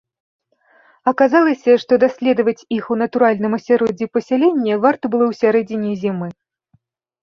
Аказалася, што даследаваць іх у натуральным асяроддзі пасялення варта было ў сярэдзіне зімы.